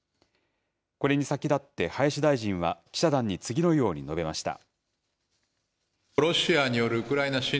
これに先立って林大臣は、記者団に次のように述べました。